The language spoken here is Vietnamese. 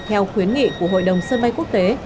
theo khuyến nghị của hội đồng sân bay quốc tế